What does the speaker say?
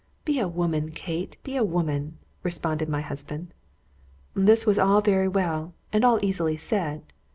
"Be a woman, Kate! be a woman," responded my husband. This was all very well, and all easily said.